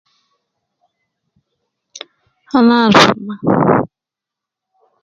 Ana arfu maa